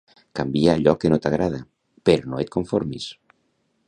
Canvia allò que no t'agrada, però no et conformis!